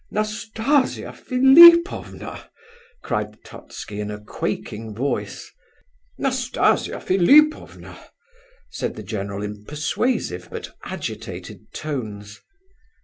"Nastasia Philipovna!" cried Totski, in a quaking voice. "Nastasia Philipovna!" said the general, in persuasive but agitated tones.